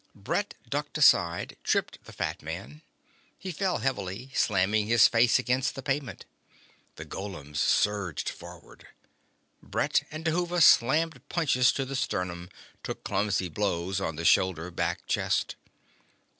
Brett ducked aside, tripped the fat man. He fell heavily, slamming his face against the pavement. The golems surged forward. Brett and Dhuva slammed punches to the sternum, took clumsy blows on the shoulder, back, chest.